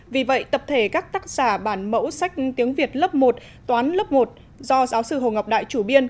vì vậy tập thể các tác giả bản mẫu sách tiếng việt lớp một toán lớp một do giáo sư hồ ngọc đại chủ biên